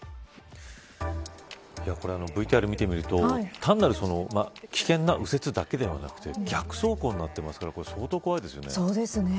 これＶＴＲ見てみると単なる危険な右折だけではなくて逆走行になってますから相当怖いですよね。